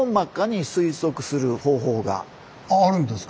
あるんですか。